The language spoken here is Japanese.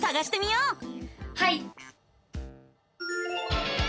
はい！